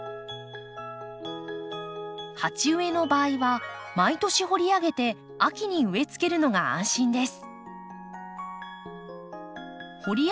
鉢植えの場合は毎年掘り上げて秋に植えつけるのが安心です。